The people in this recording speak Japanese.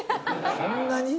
そんなに？